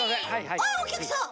はいおきゃくさん。